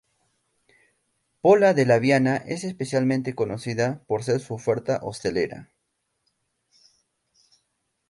Pola de Laviana es especialmente conocida por su oferta hostelera.